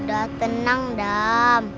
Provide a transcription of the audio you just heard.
udah tenang dam